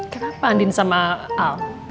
kenapa andin sama al